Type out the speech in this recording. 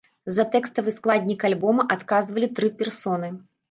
За тэкставы складнік альбома адказвалі тры персоны.